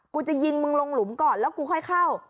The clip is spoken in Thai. จะยิงมึงลงหลุมก่อนแล้วกูค่อยเข้า